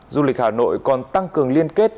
du lịch hà nội còn tăng cường liên kết